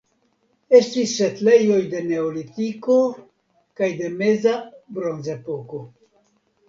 Estis setlejoj de Neolitiko kaj de Meza Bronzepoko.